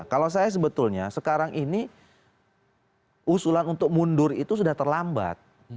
kalau saya sebetulnya sekarang ini usulan untuk mundur itu sudah terlambat